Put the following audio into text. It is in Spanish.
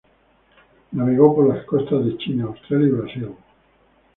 Navegó por las costas de China, Australia y Brasil.